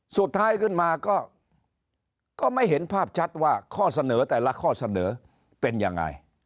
สุดท้ายขึ้นมาก็ไม่เห็นภาพชัดว่าข้อเสนอแต่ละข้อเสนอเป็นยังไง